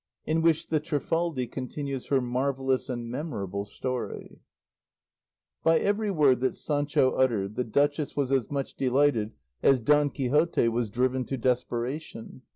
IN WHICH THE TRIFALDI CONTINUES HER MARVELLOUS AND MEMORABLE STORY By every word that Sancho uttered, the duchess was as much delighted as Don Quixote was driven to desperation.